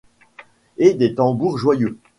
Et des tambours joyeux.